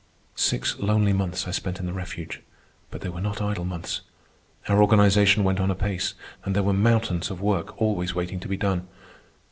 Six lonely months I spent in the refuge, but they were not idle months. Our organization went on apace, and there were mountains of work always waiting to be done.